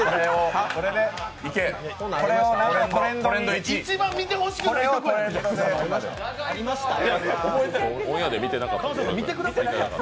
一番見てほしくないとこ。